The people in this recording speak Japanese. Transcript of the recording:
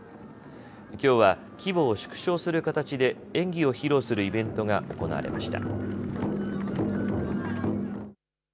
きょうは規模を縮小する形で演技を披露するイベントが行われました。